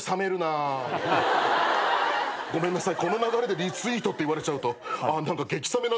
あーごめんなさい。